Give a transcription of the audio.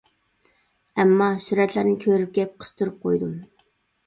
ئەمما، سۈرەتلەرنى كۆرۈپ گەپ قىستۇرۇپ قويدۇم.